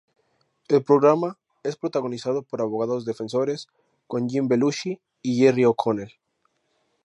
El programa es protagonizado por abogados defensores, con Jim Belushi y Jerry O'Connell.